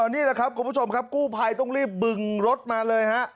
นี่แหละครับคุณผู้ชมครับกู้ภัยต้องรีบบึงรถมาเลยฮะ